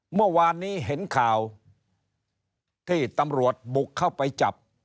เมื่อวานนี้เห็นข่าวที่ตำรวจบุกเข้าไปจับ